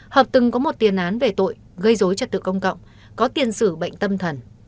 hợp từng có một tiền án về tội gây dối trật tự công cộng có tiền sử bệnh tâm thần